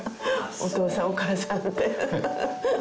「お父さんお母さん」って。